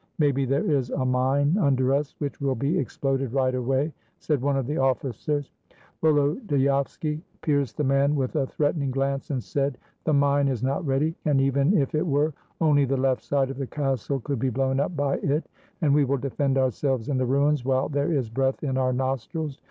"Maybe there is a mine under us which will be ex ploded right away," said one of the officers. Volodyovski pierced the man with a threatening glance, and said, "The mine is not ready; and even if it were, only the left side of the castle could be blown up by it, and we will defend ourselves in the ruins while there is breath in our nostrils.